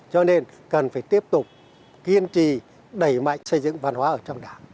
cho nên cần phải tiếp tục kiên trì đẩy mạnh xây dựng văn hóa ở trong đảng